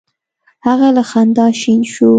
هغه له خندا شین شو: